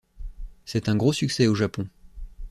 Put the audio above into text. C'est un gros succès au Japon.